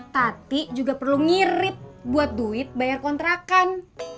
tati juga perlu ngirip buat duit bayar kontrakan